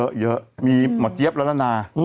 เยอะเยอะมีหมอเจี๊ยบแล้วละนา